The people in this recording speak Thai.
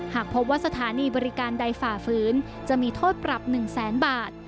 หากพบว่าสถานีบริการใดฝ่าฝืนจะมีโทษปรับ๑แสนบาท